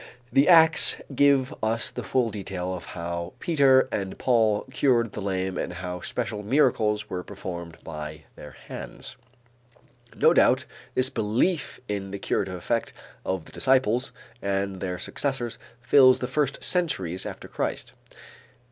The Acts give us the full details of how Peter and Paul cured the lame and how special miracles were performed by their hands. No doubt this belief in the curative effect of the disciples and their successors fills the first centuries after Christ.